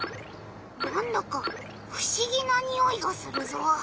なんだかふしぎなにおいがするぞ。